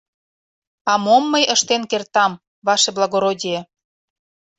— А мом мый ыштен кертам, ваше благородие.